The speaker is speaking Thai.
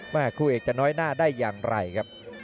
คู่เอกจะน้อยหน้าได้อย่างไรครับ